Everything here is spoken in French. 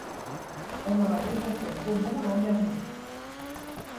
On leur a déjà fait faux bond l'an dernier.